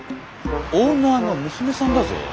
オーナーの娘さんだぞ。